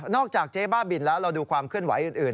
จากเจ๊บ้าบินแล้วเราดูความเคลื่อนไหวอื่น